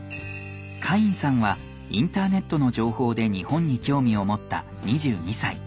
カインさんはインターネットの情報で日本に興味を持った２２歳。